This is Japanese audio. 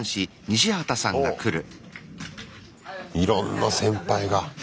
いろんな先輩が。